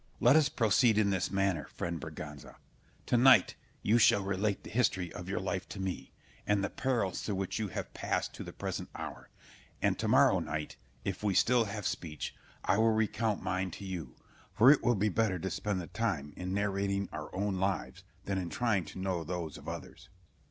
Scip. Let us proceed in this manner, friend Berganza: to night you shall relate the history of your life to me, and the perils through which you have passed to the present hour; and to morrow night, if we still have speech, I will recount mine to you; for it will be better to spend the time in narrating our own lives than in trying to know those of others.